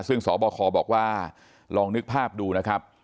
ซึ่งสบคบอกว่าลองนึกภาพดูนะครับ